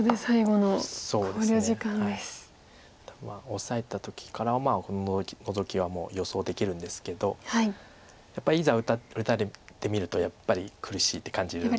オサえた時からこのノゾキはもう予想できるんですけどやっぱりいざ打たれてみると苦しいって感じるんです。